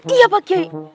iya pak giai